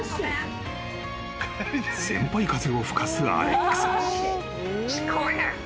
［先輩風を吹かすアレックス］